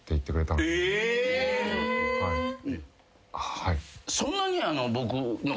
はい。